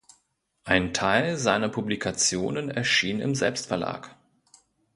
Ein Teil seiner Publikationen erschien im Selbstverlag.